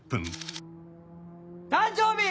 誕生日！